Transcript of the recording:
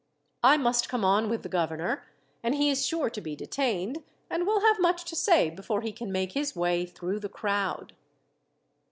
I must come on with the governor, and he is sure to be detained, and will have much to say before he can make his way through the crowd."